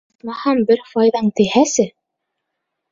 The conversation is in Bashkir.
Исмаһам, бер файҙаң тейһәсе!